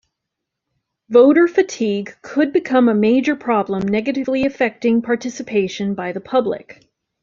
Voter fatigue could become a major problem negatively affecting participation by the public.